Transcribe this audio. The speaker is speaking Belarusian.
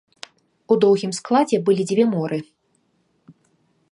У доўгім складзе былі дзве моры.